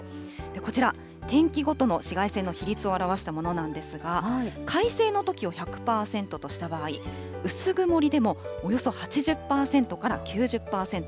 こちら、天気ごとの紫外線の比率を表したものなんですが、快晴のときを１００％とした場合、薄曇りでもおよそ８０％から９０％。